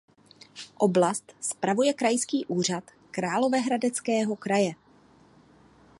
Oblast spravuje Krajský úřad Královéhradeckého kraje.